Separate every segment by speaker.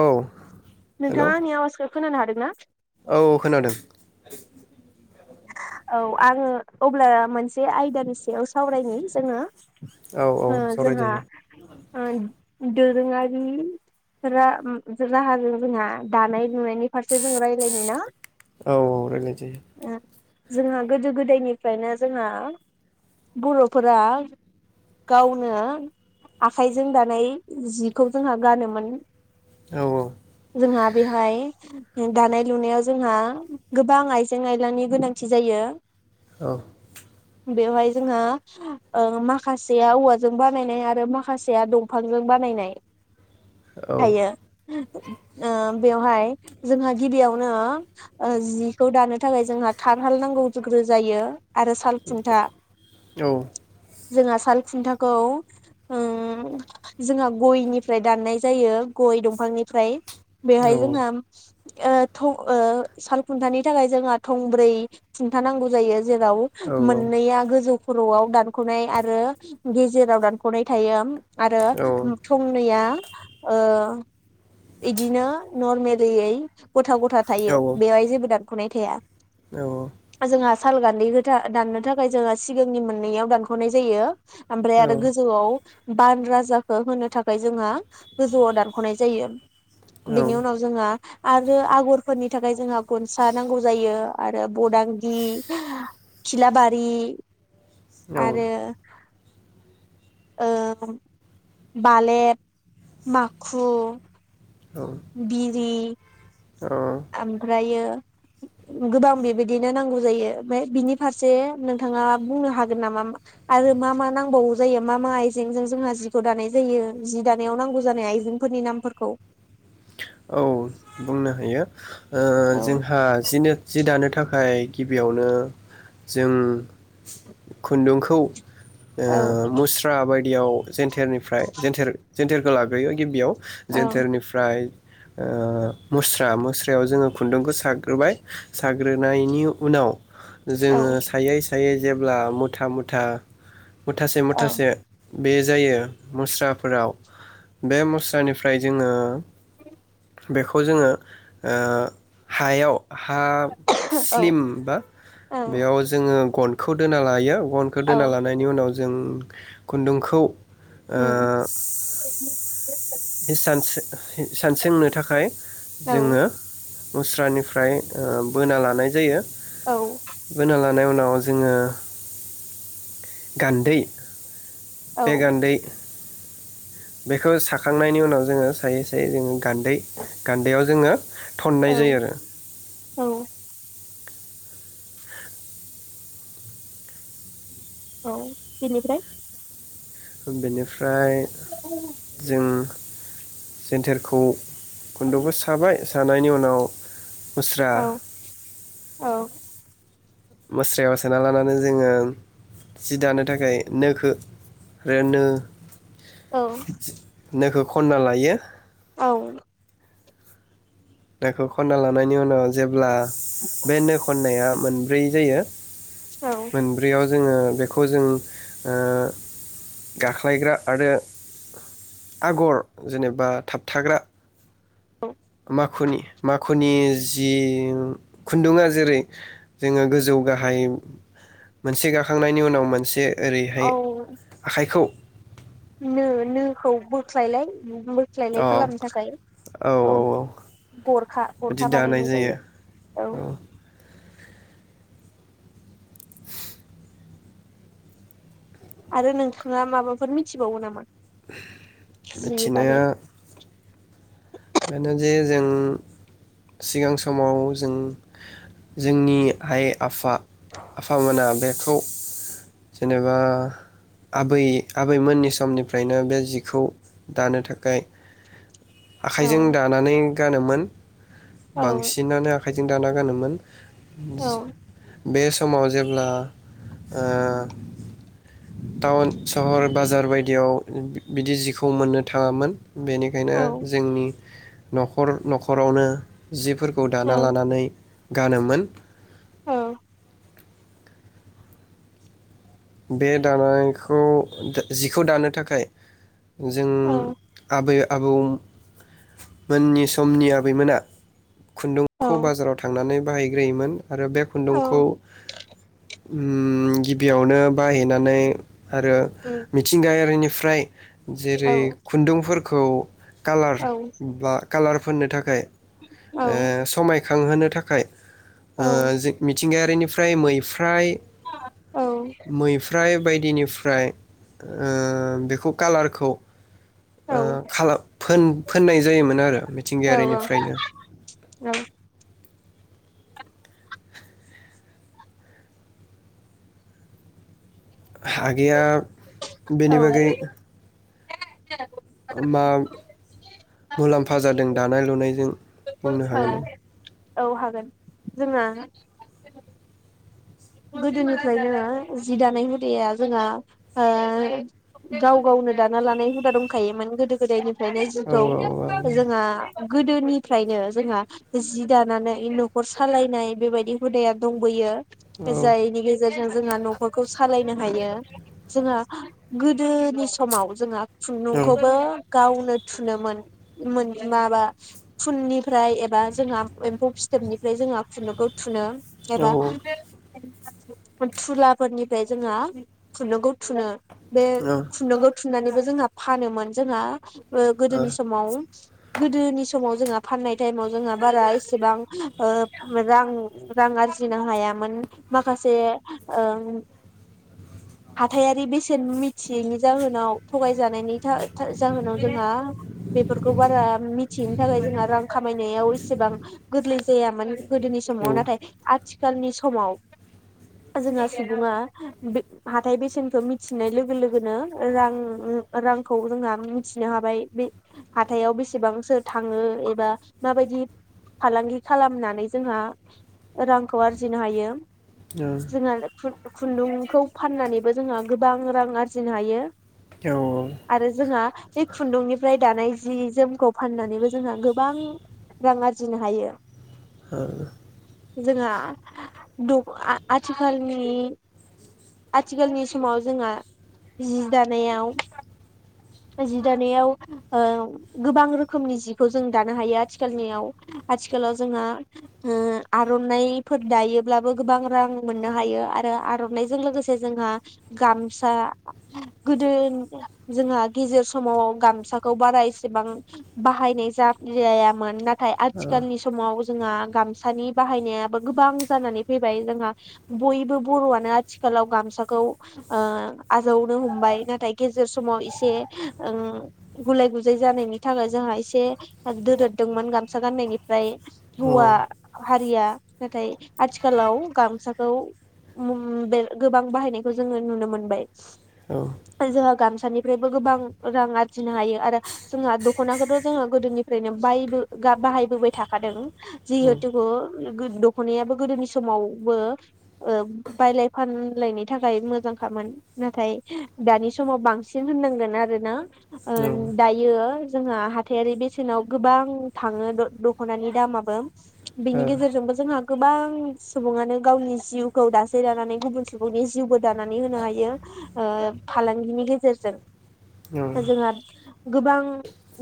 Speaker 1: औ। हेलौ
Speaker 2: नोंथाङा आंनिआव सो खोनानो हादोंना।
Speaker 1: औ खोनादों
Speaker 2: औ आङो अब्ला मोनसे आयदानि सिङाव सावरायनि जोङो।
Speaker 1: औ औ सावरायजायो।
Speaker 2: दोरोङारिफोरा ओम राहा जोंहक दानाय लुनायनि फारसे जों रायलायनि ना।
Speaker 1: औ औ रायलायजायो।
Speaker 2: जोंहा गोदो गोदायनिफ्रायनो जोंहा बर'फोरा गावनो आखाइजों दानाय जिखौ जोंहा गानोमोन।
Speaker 1: औ
Speaker 2: जोंहा बिहाय दानाय लुनायाव जोंहा गोबां आइजें आयलानि गोनां थि जायो।
Speaker 1: औ
Speaker 2: बेवहाय जोंहा ओ माखासेया औवाजों बानायनाय आरो माखासेया दंफांजों बानायनाय।
Speaker 1: औ
Speaker 2: [unintelligible] ओ बेवहाय जोंहा गिबियावनो ओ जिखौ दानो थाखाय जोंहा खारहाल नांगौग्रो जायो। आरो साल खुन्था
Speaker 1: औ
Speaker 2: जोंङा साल खुन्थाखौ उम जोंङा गयनिफ्राय दाननाय जायो गय दंफांनिफ्राय
Speaker 1: औ
Speaker 2: बेहाय जोंहा ओ थ ओ सालखुन्थानि थाखाय जोंहा थं ब्रै खुन्था नांगौ जायो। जेराव
Speaker 1: औ
Speaker 2: मोननैया गोजौ खर'आव दानख'नाय आरो गेजेराव दानख'नाय थायो। आरो थंनैया ओ इदिनो नर्मलियै गथा गथा थायो बेवहाय जेबो दान खनाय थाया
Speaker 1: औ
Speaker 2: जोंहा साल गान्दै [unintelligible] दाननो थाखाय जोङो [unintelligible] मोननैयाव दानखनाय जायो ओमफ्राय आरो
Speaker 1: औ
Speaker 2: गोजौआव बान राजाखौ होनो थाखाय जोङा गोजौआव दानखनाय जायो बेनि उनाव जोङा आरो आगरफोरनि थाखाय जोंङा गनसा नांगौ जायो आरो बदांगि खिलाबारि आरो ओ बालेद माखु
Speaker 1: औ
Speaker 2: बिरि
Speaker 1: औ औ
Speaker 2: आमफ्रायो गोबां बेबायदिनो नांगौ जायो ओमफ्राय बिनि फारसे नोंथांङा बुंनो हागोन नामा आरो मा मा नांबावौ जायो मा मा आइजेंजों जोंहा जिखौ दानाय जायो जि दानायाव नांगौ जानाय आइजेंफोरनि नामफोरखौ
Speaker 1: बुंनो हायो ओ
Speaker 2: औ
Speaker 1: जोंहा जिनो जि दानो थाख थाखाय गिबियावनो जों खुन्दुंखौ ओ
Speaker 2: औ
Speaker 1: मुस्रा बाय बेयाव जेन्थेरनिफ्राय जेेन्थेेर जेन्थेरखौ लाग्रोयो गिबियाव
Speaker 2: औ
Speaker 1: जेन्थेरनिफ्राय ओ मुस्रा मुस्रायाव जोंङो खुन्दुंखौ साग्रोबाय साग्रोनायनि उनाव जोंङो सायै सा थायो जेब्ला मुथा मुथा मुथासे
Speaker 2: औ
Speaker 1: मुथासे बे जायो मुस्राफोराव बे मुस्रानिफ्राय जोंङो बेखौ जोंङो ओ हायाव हा
Speaker 2: औ
Speaker 1: स्लिम बा
Speaker 2: औ
Speaker 1: बेयाव जोंङो गनखौ दोना लायो गनखौ
Speaker 2: औ
Speaker 1: दोना लानायनि उनाव जों खुन्दुंखौ ओ
Speaker 2: उम
Speaker 1: सि द इसान सोंनो थाखाय
Speaker 2: औ
Speaker 1: जोंङो मुस्रानिफ्राय ओ बोना लानाय जायो।
Speaker 2: औ।
Speaker 1: थां उनाव जोङो गान्दै। बे
Speaker 2: औ
Speaker 1: गान्दै बेखौ साखांनायनि उनाव जोंङो सायै सायै जोंञगान्दै गान्दैयाव जोंङो थननाय
Speaker 2: औ
Speaker 1: जायो आरो
Speaker 2: औ औ बिनिफ्राय
Speaker 1: ओ बेनिफ्रा ओमफ्राय
Speaker 2: औ
Speaker 1: जों जेन्टोरखौ खुन्दुंबो साबाय। थानायनि उनाव मुस्रा।
Speaker 2: औ औ
Speaker 1: मुस्रायाव सोना लानानै जोङो जि दानो थाखाय नोखौ आरो नो
Speaker 2: औ।
Speaker 1: नोखौ खनना लायो।
Speaker 2: औ।
Speaker 1: नखौ खनना लानायनि उनाव जेब्ला बे नो खननाया मोनब्रै जायो। मोनब्रैयाव जोङो बेखौ जों ओ गाख्लायग्रा आरो आगर जेनेबा थाबथाग्रा।
Speaker 2: औ।
Speaker 1: माखुनि माखुनि जि खुन्दुङा जेरै जोङो गोजौ गाहाय मोनसे गाखांनायनि उनाव मोनसे
Speaker 2: औ
Speaker 1: ओरैहाय आखाइखौ
Speaker 2: नो नोखौ बोख्लायलाय।
Speaker 1: अ
Speaker 2: बोस्लायनाय
Speaker 1: औ
Speaker 2: खालामनो थाखाय औ गरखा
Speaker 1: बिदि
Speaker 2: गरखा
Speaker 1: दानाय
Speaker 2: बानायनाय जायो औ। आरो नोंथाङा माबाफोर मिथिबावो नामा? जिनि बागै
Speaker 1: मिथिनाया बेखायनो जे जों सिगां समाव जों जोंनि आइ-आफा आफामोना बेखौ जेनेबा आबै आबैमोननि समनिफ्रायनो बे जिखौ दानो थाखाय आखाइजों
Speaker 2: औ
Speaker 1: दानानै गानोमोन।
Speaker 2: औ
Speaker 1: बांसिनानो आखाइजों दाना गानोमोन। जि
Speaker 2: औ
Speaker 1: बे समाव जेब्ला टाउन सहर बाजार बायदियाव बिदि जिखौ मोननो थाङामोन बेनिखायनो
Speaker 2: औ
Speaker 1: जोंनि न'खर न'खरावनो जिफोरखौ दाना लानानै गानोमोन।
Speaker 2: औ।
Speaker 1: बे दानायखौ जिखौ दानो थाखाय जों
Speaker 2: औ
Speaker 1: आबै आबौ मोननि समनि आबैमोना
Speaker 2: औ
Speaker 1: खुन्दुंखौ बाजाराव थांनानै बायग्रोहोयोमोन आरो बे खुन्दुंखौ
Speaker 2: औ
Speaker 1: उम गिबियावनो बायहैनानै आरो
Speaker 2: उम
Speaker 1: मिथिंगायारिनि फ्राय
Speaker 2: औ
Speaker 1: जेरै खुन्दुंफोर खौ कालार
Speaker 2: औ
Speaker 1: ब्ला कालार फोननो थाखाय
Speaker 2: औ
Speaker 1: ओ समाय खांहोनो थाखाय ओ जे मिथिंगाया रिनिफ्राय मैफ्राय
Speaker 2: औ
Speaker 1: मैफ्राय बायदिनिफ्राय ओ बेखौ कालारखौ ओ खालार फोन फोननाय जायोमोन आरो मिथिंगायारिनिफ्रायनो। आगैया
Speaker 2: औ
Speaker 1: बेनि बागै
Speaker 2: औ
Speaker 1: मा मुलाम्फा जादों दानाय लुनायजों बुंनो
Speaker 2: औ।
Speaker 1: हागोन नामा?
Speaker 2: औ हागोन जोङो गोदोनिफ्रायनो जि दानाय हुदाया जोंहा ओ गाव गावनो दाना लानाय हुदा दंखायोमोन गोदो गोदायनि फ्रायनो
Speaker 1: औ
Speaker 2: जिखौ जोंहा गोदोनिफ्रायनो जोंहा जि दानानै नखर सालायनाय बेबायदि हुदाया दंबोयो।
Speaker 1: औ
Speaker 2: जायनि गेजेरजों जोंहा नखरखौ सालायनो हायो जोंहा गोदोनि समाव जोंहा
Speaker 1: औ
Speaker 2: खुन्दुंखौबो गावनो थुनो मोन मोन माबा खुननिफ्राय एबा जोंहा एम्फौ फिथोबनिफ्राय जोंहा खुनदुंखौ थुनो।
Speaker 1: औ
Speaker 2: एबा थुलाफोरनिफ्राय जोंहा खुनदुंखौ थुनो। बे
Speaker 1: औ औ
Speaker 2: खुन्दुंखौ थु फिनानैबो जोंहा फानोमोन जोंहा ओ गोदोनि समाव गोदोनि समाव जोंहा फाननाय टाइमाव जोंहा बारा एसेबां ओ रां रां आरजिनो हायामोन। माखासे ओ हाथाइयारि बेसेन मिथियैनि जाहोनाव थगायजानायनि था जाहोनाव जोंहा बेफोरखौ बारा मिथिहैनो थाखाय जोंहा रां खामायनायाव एसेबां गोरलै जायामोन गोदोनि समाव नाथाय आथ थिखालनि समाव जोंहा सुबुङा बे हाथाइ बेसेनखौ मिथिनाय लोगो लोगोनो रां रांखौ जोंहा मिथिनो हाबाय बे हाथायाव बेसेबांसो थाङो एबा माबायदि फालांगि खालामनानै जोंहा रांखौ आरजिनो हायो। जोंहा खुन्दुंखौ फाननानैबो जोंहा गोबां रां आरजिनो हायो। आरो जोंहा बे खुन्दुंनिफ्राय दानाय जि जोमखौ फाननानैबो जोंहा गोबां रां आरजिनो हायो।
Speaker 1: औ
Speaker 2: जोंहा दख आथिखालनि आथिखालनि समाव जोंहा जि दानायाव जि दानायाव ओ गोबां रोखोमनि जिखौ जों दानो हायो आथिखालनियाव आथिखालाव जोंहा ओ आर'नाइफोर दायो। ब्लाबो गोबां रां मोननो हायो आरो आर'नाइजों लोगोसे जोंहा गामसा गोदो जोंहा गेजेर समाव गामसाखौ बारा एसेबां बाहायनाय जायामोन ना नाथाय आथिखालनि समाव जोंहा गामसानि बाहायनायाबो गोबां जानानै फैबाय जोंहा बयबो बर'आनो आथिखालाव गामसाखौ ओ आजावनो हमबाय नाथाय गेजेर समाव एसे ओ गुलाय गुजाय जानायनि थाखाय जोंहा एसे दोरोददोंमोन गामसा गाननायनिफ्राय हौवा हारिया नाथाय आथिखालाव गामसाखौ ओम बे गोबां बाहायनायखौ जोङो नुनो मोनबाय।
Speaker 1: औ
Speaker 2: जोंहा गामस सानिफ्रायबो गोबां रां आरजिनो हायो आरो जोंहा दख'नाखौथ' जोंङो गोदोनिफ्रायनो बायबो बाहायबोबाय थाखादों
Speaker 1: औ
Speaker 2: जिहेथु दखनायाबो गोदोनि समावबो ओ बायलाय फानलायनि थाखाय मोजांखामोन नाथाय दानि समाव बांसिन होननांगोन आरोना। ओ
Speaker 1: औ
Speaker 2: दायो जोंहा हाथाइयारि बेसेनाव गोबां थाङो द-दख'नानि दामाबो बिनि गेजेरजोंबो जोंहा गोबां सुबुङानो गावनि जिउखौ दासे दानानै गुबुन सुबुंनि जिउबो दानानै होनो हायो ओ फालांगिनि गेजेरजों जोंहा गोबां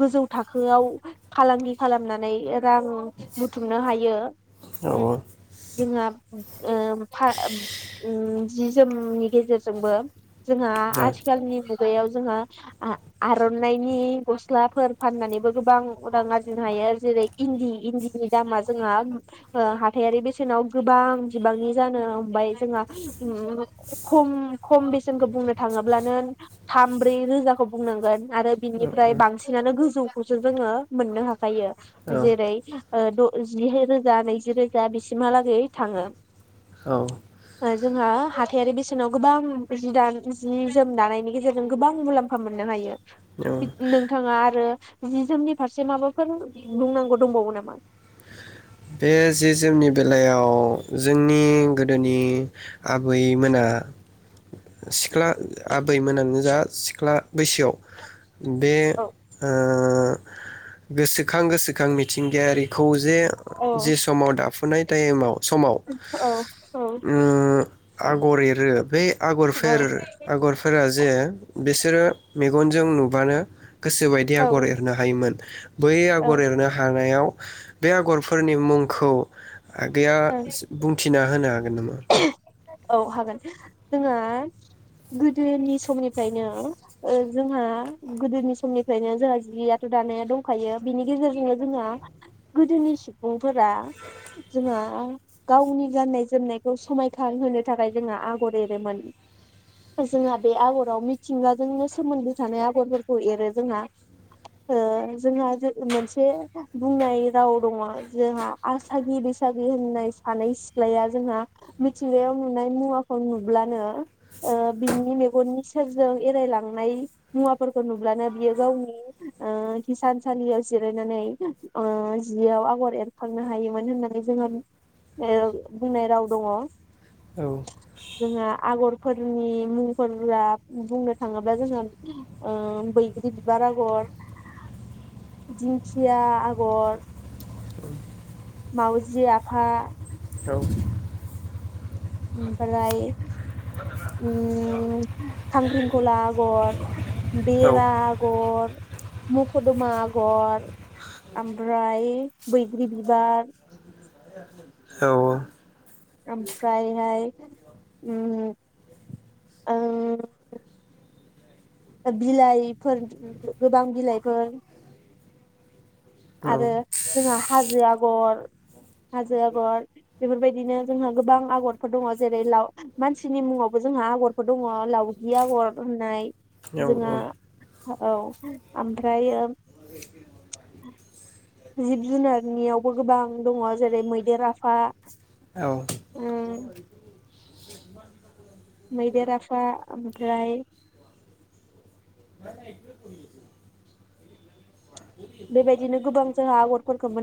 Speaker 2: गोजौ थाखोआव फालांगि खालामनानै रां बुथुमनो हायो। जोंहा ओ फा जि जोमनि गेजेरजोंबो। जोंहा आथिखालनि याव जोंहा आ-आर'नाइनि गस्लाफोर फाननानैबो गोबां रां आरजिनो हायो जेरै इन्दि इन्दिनि दामा जोंहा ओ हा हाथायारि बेसेनाव गोबां बिबांनि जानो ओमफ्राय जोंहा खम खम बेसेनखौ बुंनो थाङोब्लानो थाम ब्रै रोजाखौ बुंनांगोन आरो बिनिफ्राय बांसिनानो गोजौखौसो जोङो मोननो हाखायो जेरै ओ द जि रोजा नैजि रोजा। दा बिसिमहालागै थाङो।
Speaker 1: औ।
Speaker 2: जोंहा हाथाइयारि बेसेनाव गोबां जि दा जि जोम दानायनि गेजेरजों गोबां मुलाम्फा मोननो हायो नोंथाङा आरो जि जोमनि फारसे माबाफोर बुंनांगौ दंबावो नामा?
Speaker 1: बे जि जोंनि बेलायाव जोंनि गोदोनि आबैमोना सिख्ला आबैमोनानो जा सिख्ला बैसोआव बे
Speaker 2: औ
Speaker 1: ओ गोसोखां गोसोखां मिथिंगायारिखौ जे
Speaker 2: औ
Speaker 1: जे समाव दाब फुनाय टाइमाव समाव
Speaker 2: औ
Speaker 1: ओ आगर एरो बे
Speaker 2: औ
Speaker 1: आगरफोर आगरफोरा जे बेसे बिसोरो मेगनजों नुबानो गोसोबायदि आगर
Speaker 2: औ
Speaker 1: एरनो हायोमोन। बै
Speaker 2: औ
Speaker 1: आगर एरनो हानायाव बे आगर फोरनि मुंखौ आगैया बुंथि थिना होनो हागोन नामा?
Speaker 2: औ हागोन जोंङा गोदोनि समनिफ्रायनो ओ जोंहा गोदोनि समनिफ्रायनो जोंहा जियाथ' दानाया दंखायो बिनि गेजेरजोंनो जोंहा गोदोनि सुबुंफोरा जोंहा गावनि गाननाय जोमनाय समायखां होनो थाखाय जोंहा आगर एरोमोन जोंहा बे आगराव मिथिंगाजोंनो सोमोन्दो थानाय आगरफोरखौ एरो जोंहा ओ जोंहा जो मोनसे बुंनाय राव दङ जोंहा आसागि बैसागि होननाय सानै सिख्लाया जोंहा मिथिंगायाव नुनाय मुवाखौ नुब्लानो ओ बिनि मेगननि सेरजों एरायलांनाय मुवाफोरखौ नुब्लानो बियो गावनि ओ हिसानसालियाव जिरायनानै ओ जियाव आगर एरखांनो हायोमोन होननानै जोङो ओ बुंनाय राव दङ
Speaker 1: औ
Speaker 2: जोंहा आगरफोरनि मुंफोरा बुंनो थाङोब्ला जोंहा ओ बैग्रि बिबार आगर दिंखिया आगर माउजि आफा
Speaker 1: औ
Speaker 2: ओमफ्राय ओम खांख्रिंखला आगर
Speaker 1: औ
Speaker 2: बेरा आगर मख'दमा आगर ओमफ्राय बैग्रि बिबार ओमफ्रायहाय ओम ओ बिलाइफोर गोबां बिलाइफोर आरो
Speaker 1: औ
Speaker 2: जोंहा हाजो आगर हाजो आगर बेफोरबायदिनो जोंहा गोबां आगरफोर दङ जेरै लाव मानसिनि मुङावबो जोंहा आगरफोर दङ लावगि आगर होननाय।
Speaker 1: औ
Speaker 2: जोंहा
Speaker 1: औ।
Speaker 2: औ ओमफ्राय ओ जिब जुनारनियावबो गोबां दङ जेरै मैदेर आफा
Speaker 1: औ औ
Speaker 2: ओ मैदेर आफा ओमफ्राय बेबायदिनो गोबां जोंहा आगरफोरखौ मोन